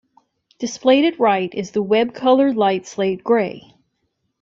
Displayed at right is the web color light slate gray.